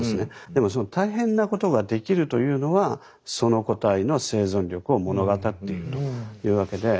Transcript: でもその大変なことができるというのはその個体の生存力を物語っているというわけで。